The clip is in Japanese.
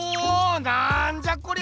なんじゃこりゃ！